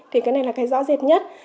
thì cái này là cái rõ rệt nhất